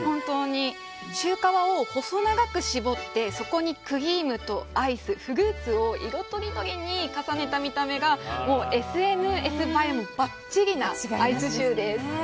シュー皮を細長く絞ってそこにクリームとアイスフルーツを色とりどりに重ねた見た目がＳＮＳ映えばっちりなアイスシューです。